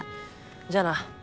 じゃあな。